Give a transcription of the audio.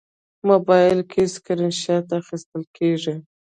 موبایل کې سکرین شات اخیستل کېږي.